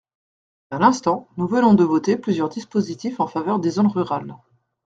À l’instant, nous venons de voter plusieurs dispositifs en faveur des zones rurales.